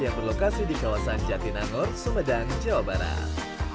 yang berlokasi di kawasan jatinangor sumedang jawa barat